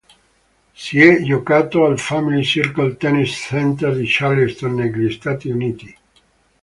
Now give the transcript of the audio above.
Si è giocato al Family Circle Tennis Center di Charleston negli Stati Uniti.